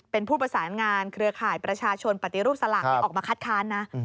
เป็นผู้ประสานงานเครือข่ายประชาชนปฏิรูปสลากออกมาคัดค้านนะ